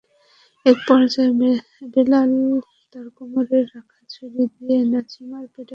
একপর্যায়ে বেলাল তাঁর কোমরে রাখা ছুরি দিয়ে নাসিমার পেটে আঘাত করেন।